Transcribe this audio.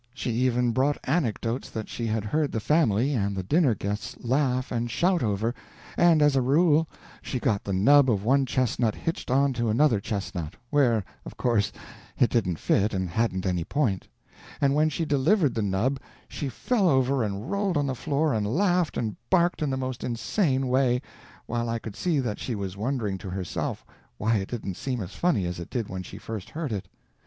She even brought anecdotes that she had heard the family and the dinner guests laugh and shout over; and as a rule she got the nub of one chestnut hitched onto another chestnut, where, of course, it didn't fit and hadn't any point; and when she delivered the nub she fell over and rolled on the floor and laughed and barked in the most insane way, while I could see that she was wondering to herself why it didn't seem as funny as it did when she first heard it.